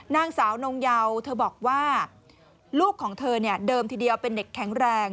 นางสาวนงเยาเธอบอกว่าลูกของเธอเดิมทีเดียวเป็นเด็กแข็งแรง